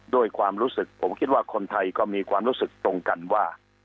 ด้วยความรู้สึกผมคิดว่าคนไทยก็มีความรู้สึกตรงกันว่า